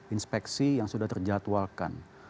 inspeksi yang sudah terjadwalkan